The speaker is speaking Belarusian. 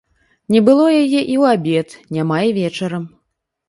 Не было яе і ў абед, няма і вечарам.